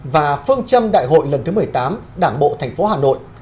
và phương châm đại hội lần thứ một mươi tám đảng bộ tp hà nội